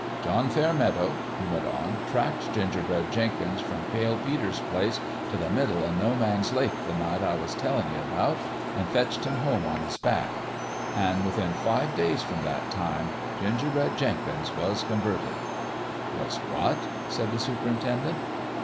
"John Fairmeadow," he went on, "tracked Gingerbread Jenkins from Pale Peter's place t' the middle o' No Man's Lake, the night I was tellin' you about, an' fetched him home on his back ; an' within five days from that time, Ginger bread Jenkins was converted." A LITTLE ABOUT LIFE 201 " Was what ?" said the superintendent.